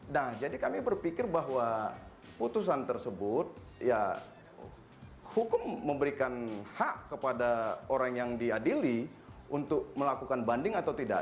nah jadi kami berpikir bahwa putusan tersebut ya hukum memberikan hak kepada orang yang diadili untuk melakukan banding atau tidak